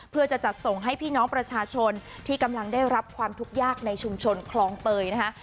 เพื่อจะจัดส่งให้พี่น้องประชาชนที่กำลังได้รับความทุกข์ยากในชุมชนคลองเตยนะคะ